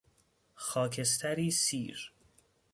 خاکستری سیر